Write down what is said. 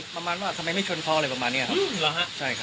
ประมาณว่าทำไมไม่ชนคอเลยประมาณเนี้ยครับอืมหรอฮะใช่ค่ะ